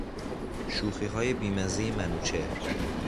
شوخیهای بیمزهی منوچهر